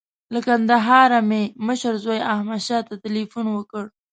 له کندهاره مې مشر زوی احمدشاه ته تیلفون وکړ.